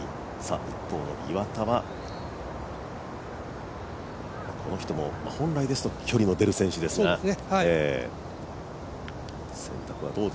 一方の岩田、この人も本来なら距離の出る選手ですけども。